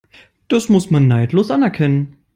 Das muss man neidlos anerkennen.